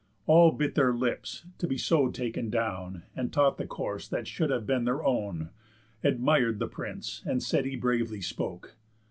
All bit their lips to be so taken down, And taught the course that should have been their own, Admir'd the prince; and said he bravely spoke.